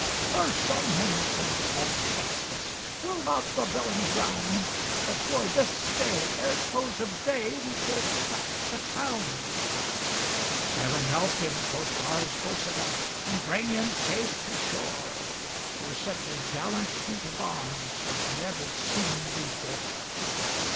"Curse on him!" quoth false Sextus; "Will not the villain drown? But for this stay ere close of day We should have sacked the town!" "Heaven help him!" quoth Lars Porsena, "And bring him safe to shore; For such a gallant feat of arms Was never seen before."